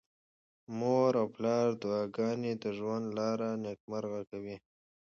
د مور او پلار دعاګانې د ژوند لاره نېکمرغه کوي.